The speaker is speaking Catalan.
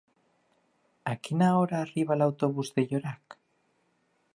A quina hora arriba l'autobús de Llorac?